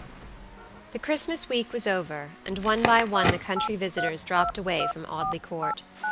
The Christmas week was over, and one by one the country visitors dropped away from Audley Court.